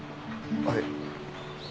はい。